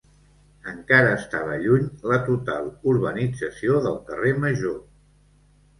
Encara estava lluny la total urbanització del carrer Major.